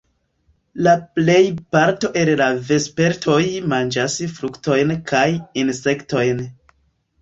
La plejparto el la vespertoj manĝas fruktojn kaj insektojn.